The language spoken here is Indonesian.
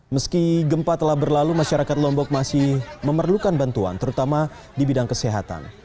meski gempa telah berlalu masyarakat lombok masih memerlukan bantuan terutama di bidang kesehatan